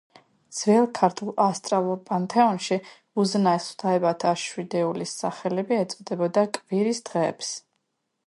ძველ ქართულ ასტრალურ პანთეონში უზენაეს ღვთაებათა შვიდეულის სახელები ეწოდებოდა კვირის დღეებს.